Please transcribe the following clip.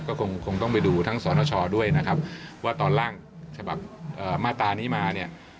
ก็คงต้องไปดูทั้งสรณชอด้วยนะครับว่าตอนล่างฉบับมาตรานี้มาเนี่ย